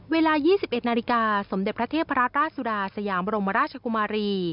เวลา๒๑นาฬิกาสมเด็จพระเทพราชสุดาสยามบรมราชกุมารี